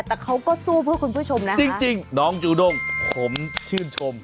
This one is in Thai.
แต่เขาก็สู้เพื่อคุณผู้ชมนะจริงน้องจูด้งผมชื่นชม